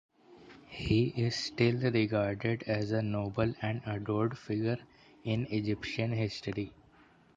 He is still regarded as a noble and adored figure in Egyptian history.